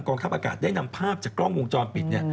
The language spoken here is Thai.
เห็นน่าไปด้วย